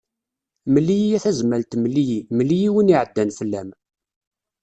Mel-iyi a Tazmalt mel-iyi, mel-iyi win iɛeddan fell-am.